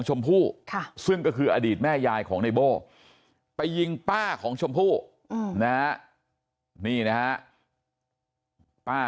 ชมพู่ซึ่งก็คืออดีตแม่ยายของในโบ้ไปยิงป้าของชมพู่นะนี่นะฮะป้า